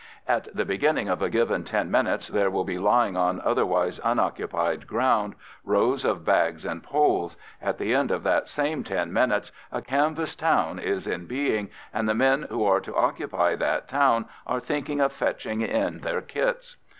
At the beginning of a given ten minutes there will be lying on otherwise unoccupied ground rows of bags and poles; at the end of that same ten minutes a canvas town is in being, and the men who are to occupy that town are thinking of fetching in their kits.